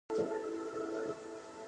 په بګرام کې د ښیښې لوښي موندل شوي